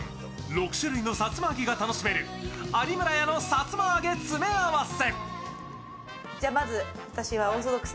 ６種類のさつま揚げが楽しめる有村屋のさつま揚げ詰め合わせ。